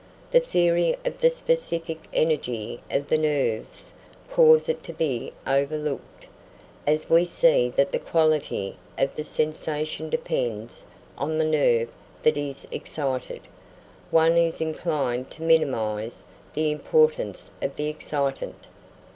The theory of the specific energy of the nerves causes it to be overlooked. As we see that the quality of the sensation depends on the nerve that is excited, one is inclined to minimise the importance of the excitant.